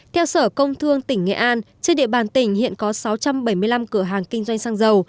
theo sở công thương tỉnh nghệ an trên địa bàn tỉnh hiện có sáu trăm bảy mươi năm cửa hàng kinh doanh xăng dầu